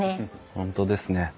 本当ですね。